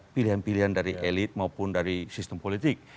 pilihan pilihan dari elit maupun dari sistem politik